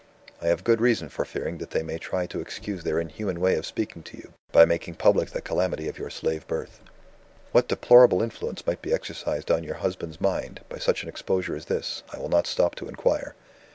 I have good reason for fearing that they may try to excuse their inhuman way of speaking of you, by making public the calamity of your slave birth. What deplorable influence might be exercised on your husband's mind, by such an exposure as this, I will not stop to inquire.